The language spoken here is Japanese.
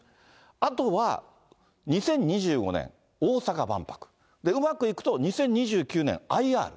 あとは、２０２５年、大阪万博、うまくいくと２０２９年ＩＲ。